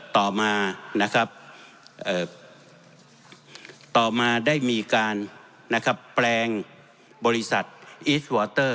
ต่อมามีการแปลงบริษัทอีสวอเตอร์